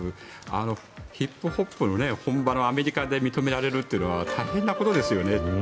ヒップホップの本場のアメリカで認められるというのは大変なことですよね。